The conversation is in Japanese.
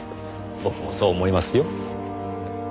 僕もそう思いますよ。